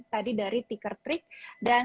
tadi dari ticker trick dan